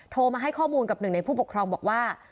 โทรมาให้ข้อมูลกับหนึ่งในผู้ปกครองบอกว่า